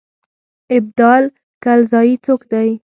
ابدال کلزايي څوک دی.